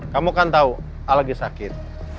kamu kan tahu alde sakit